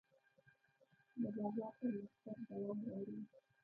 د بازار پرمختګ دوام غواړي.